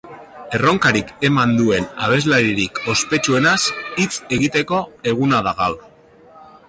Erronkarik eman duen abeslaririk ospetsuenaz hitz egiteko eguna da gaur.